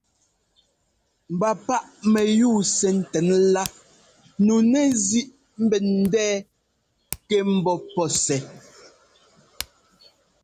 Mba páꞌ mɛyúu sɛ ńtɛn lá nu nɛzíꞌ ḿbɛn ńdɛɛ kɛ ḿbɔ́ pɔ́ sɛ́.